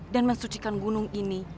dan mensucikan gunung ini